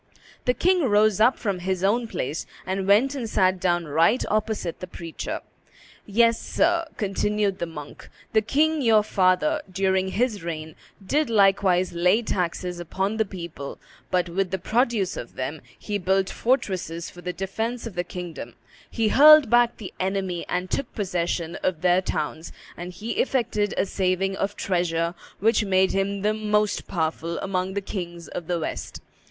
The king rose up from his own place, and went and sat down right opposite the preacher. "Yes, sir," continued the monk, "the king your father, during his reign, did likewise lay taxes upon the people, but with the produce of them he built fortresses for the defence of the kingdom, he hurled back the enemy and took possession of their towns, and he effected a saving of treasure which made him the most powerful amongst the kings of the West.